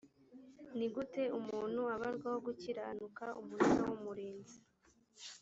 ni gute umuntu abarwaho gukiranuka umunara w umurinzi